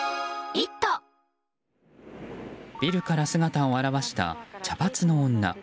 ビルから姿を現した茶髪の女。